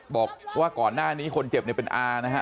บอกว่าก่อนหน้านี้คนเจ็บเนี่ยเป็นอานะฮะ